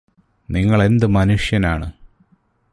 നിങ്ങളെന്ത് മനുഷ്യനാണ്